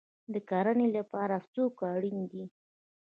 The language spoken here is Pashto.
د کرنې لپاره څوک اړین دی؟